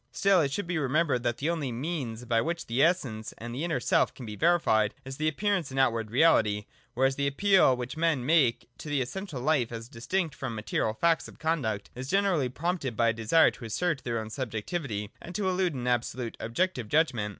Still it should be remembered that the only means by which the Essence and the inner self can be verified, is their appearance in outward reality ; whereas the appeal which men make to the essential life, as distinct from the material facts of conduct, is generally prompted by a desire to assert their own subjectivity and to elude an absolute and objective judgment.